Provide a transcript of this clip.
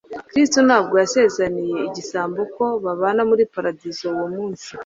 Kristo ntabwo yasezeraniye igisambo ko babana muri Paradiso uwo munsi,